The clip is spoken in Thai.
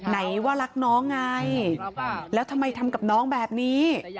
ไหนว่ารักน้องไงแล้วทำไมทำกับน้องแบบนี้